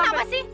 emang kenapa sih